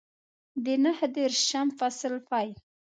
د نهه دېرشم فصل پیل